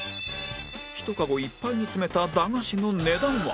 ひとカゴいっぱいに詰めた駄菓子の値段は？